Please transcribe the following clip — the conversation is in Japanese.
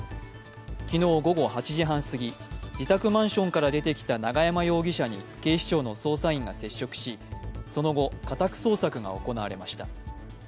昨日午後８時半過ぎ、自宅マンションから出てきた永山容疑者に警視庁の捜査員が接触しその後、家宅捜索が行われました。